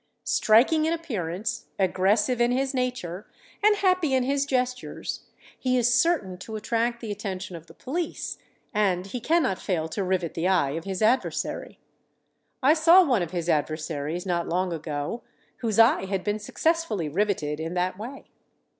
Striking in appearance, aggressive in his nature, and happy in his gestures, he is certain to attract the attention of the police, and he cannot fail to rivet the eye of his adversary. I saw one of his adversaries, not long ago, whose eye had been successfully riveted in that way.